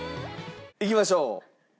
いきましょう。